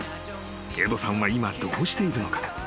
［エドさんは今どうしているのか？］